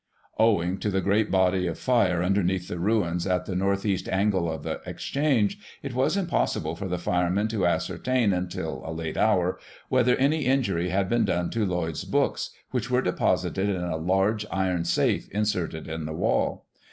" Owing to the great body of fire underneath the ruins at the north east angle of the Exchange, it was impossible for the firemen to ascertain, until a late hour, whether any injury had been done to Lloyd's books, which were deposited in a large iron safe inserted in the wall.